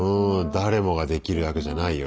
誰もができる役じゃないよ